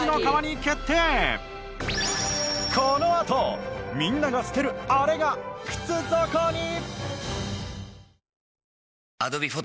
このあとみんなが捨てるあれが靴底に！